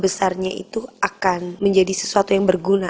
jadi saya merasa bahwa nari itu akan menjadi sesuatu yang berguna